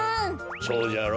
そうじゃろ？